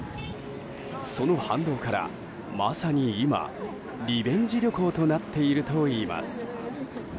その反動から、まさに今リベンジ旅行となっているといいます。